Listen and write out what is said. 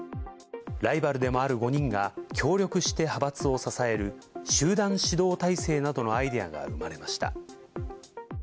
ライバルでもある５人が協力して派閥を支える集団指導体制などのアイデアが生まれました。